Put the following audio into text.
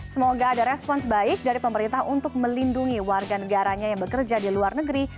semoga ada respons baik dari pemerintah untuk melindungi warga negaranya yang bekerja di luar negeri